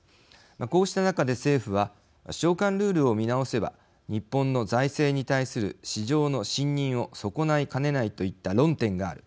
こうした中で、政府は償還ルールを見直せば日本の財政に対する市場の信認を損ないかねないといった論点がある。